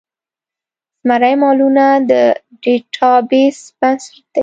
رمزي مالومات د ډیټا بیس بنسټ دی.